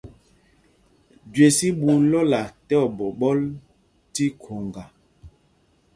Jüés í ɓu lɔ́la tí oɓiɓɔl tí khoŋga.